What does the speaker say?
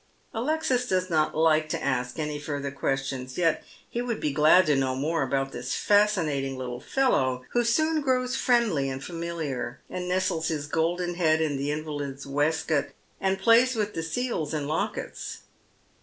Alexis does not like to ask any further questions, yet he would be glad to know more about this fascinatini^ little fellow, who soon grows friendly and familiar, and nestles his golden head in tlie invalid's waistcoat, and plays with the seals and lockets.